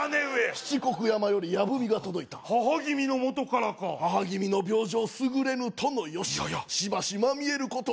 七国山より矢文が届いた母君のもとからか母君の病状すぐれぬとの由ややっしばしまみえること